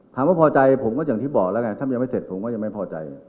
ว่าพอใจผมก็อย่างที่บอกแล้วไงถ้ามันยังไม่เสร็จผมก็ยังไม่พอใจ